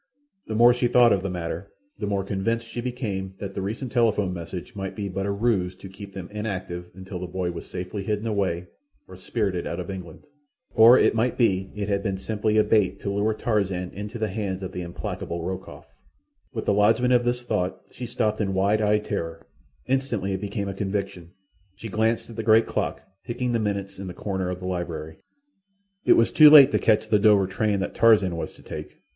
The more she thought of the matter, the more convinced she became that the recent telephone message might be but a ruse to keep them inactive until the boy was safely hidden away or spirited out of England. Or it might be that it had been simply a bait to lure Tarzan into the hands of the implacable Rokoff. With the lodgment of this thought she stopped in wide eyed terror. Instantly it became a conviction. She glanced at the great clock ticking the minutes in the corner of the library. It was too late to catch the Dover train that Tarzan was to take.